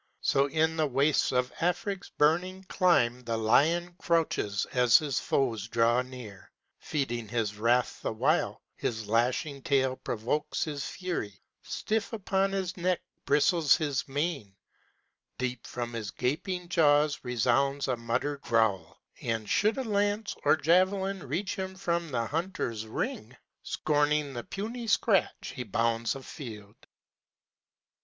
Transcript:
So in the wastes of Afric's burning clime The lion crouches as his foes draw near, Feeding his wrath the while, his lashing tail Provokes his fury; stiff upon his neck Bristles his mane: deep from his gaping jaws Resounds a muttered growl, and should a lance Or javelin reach him from the hunter's ring, Scorning the puny scratch he bounds afield.